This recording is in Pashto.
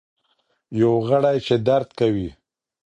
یو غړی چي درد کوي.